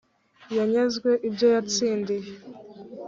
yanyazwe ibyo yatsindiye